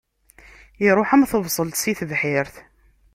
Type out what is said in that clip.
Iṛuḥ am tebṣelt si tebḥirt.